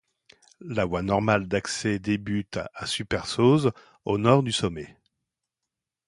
La voie normale d'accès débute à Super-Sauze, au nord du sommet.